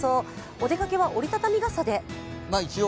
お出かけは折りたたみ傘で？